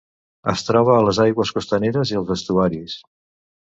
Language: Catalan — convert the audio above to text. Es troba a les aigües costaneres i als estuaris.